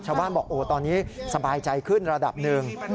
บอกโอ้ตอนนี้สบายใจขึ้นระดับหนึ่ง